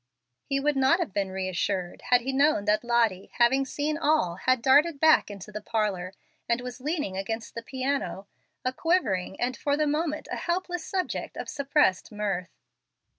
He would not have been re assured had he known that Lottie, having seen all, had darted back into the parlor and was leaning against the piano, a quivering, and for the moment a helpless subject of suppressed mirth.